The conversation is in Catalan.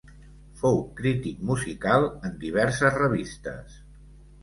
Fou crític musical en diverses revistes.